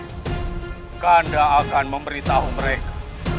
jika anda akan memberitahu mereka